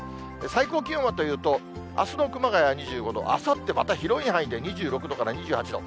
最高気温はというと、あすの熊谷２５度、あさってまた広い範囲で２６度から２８度。